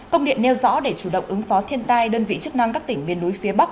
công điện nêu rõ để chủ động ứng phó thiên tai đơn vị chức năng các tỉnh miền núi phía bắc